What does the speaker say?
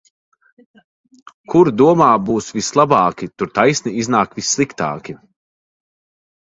Kur domā būs vislabāki, tur taisni iznāk vissliktāki.